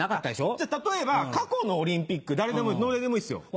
じゃ例えば過去のオリンピック誰でもどれでもいいですよ。